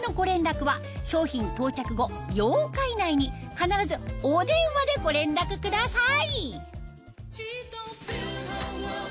必ずお電話でご連絡ください